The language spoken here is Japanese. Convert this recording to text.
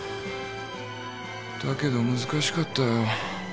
だけど難しかったよ